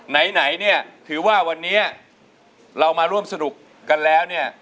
ไหนถือว่าวันนี้เรามาร่วมสนุกกันแล้ว